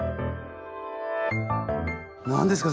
何ですか？